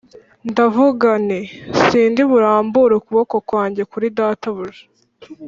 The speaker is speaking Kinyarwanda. ndavuga nti ‘Sindi burambure ukuboko kwanjye kuri databuja’